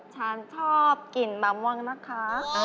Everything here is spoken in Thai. ฉันชอบกลิ่นมะม่วงนะคะ